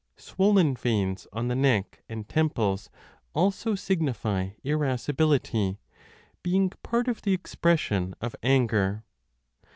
Swollen veins on the neck and temples also signify irascibility, being part of the expression of anger.